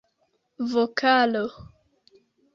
vokalo